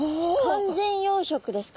完全養殖ですか？